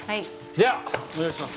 ではお願いします。